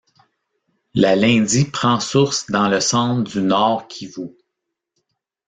La Lindi prend source dans le centre du Nord-Kivu.